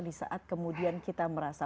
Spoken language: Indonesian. di saat kemudian kita merasa